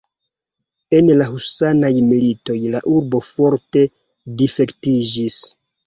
En la husanaj militoj la urbo forte difektiĝis.